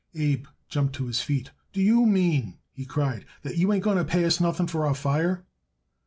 Abe jumped to his feet. "Do you mean," he cried, "that you ain't going to pay us nothing for our fire?"